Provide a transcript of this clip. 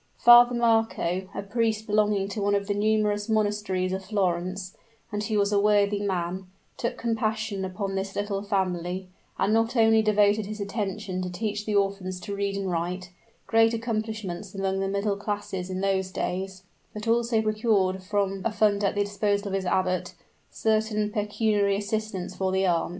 Father Marco, a priest belonging to one of the numerous monasteries of Florence, and who was a worthy man, took compassion upon this little family; and not only devoted his attention to teach the orphans to read and write great accomplishments among the middle classes in those days but also procured from a fund at the disposal of his abbot, certain pecuniary assistance for the aunt.